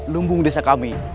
lumbung desa kami